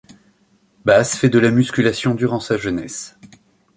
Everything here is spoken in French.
Bass fait de la musculation durant sa jeunesse.